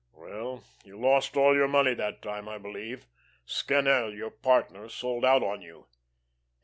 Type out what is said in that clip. "Well, you lost all your money that time, I believe. Scannel, your partner, sold out on you."